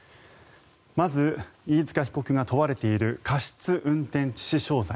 まず、飯塚被告が問われている過失運転致死傷罪。